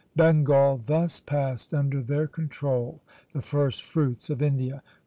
Bengal thus passed under their control, the first fruits of India.